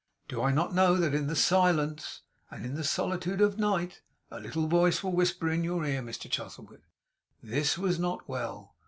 Do I not know that in the silence and the solitude of night, a little voice will whisper in your ear, Mr Chuzzlewit, "This was not well.